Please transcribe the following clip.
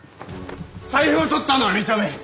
財布をとったのは認める。